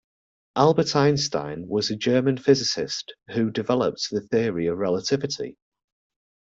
Albert Einstein was a German physicist who developed the Theory of Relativity.